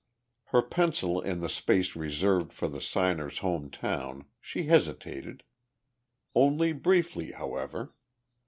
Her pencil in the space reserved for the signer's home town, she hesitated. Only briefly, however.